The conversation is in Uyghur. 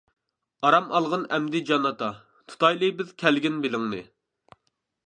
ئارام ئالغىن ئەمدى جان ئاتا، تۇتايلى بىز كەلگىن بېلىڭنى.